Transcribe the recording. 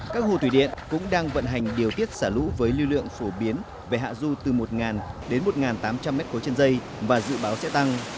các hồ thủy điện cũng đang vận hành điều tiết xả lũ với lưu lượng phổ biến về hạ du từ một đến một tám trăm linh m ba trên dây và dự báo sẽ tăng